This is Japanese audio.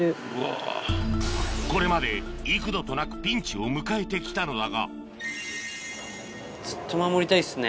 これまで幾度となくピンチを迎えてきたのだがずっと守りたいですね。